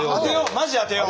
マジで当てよう！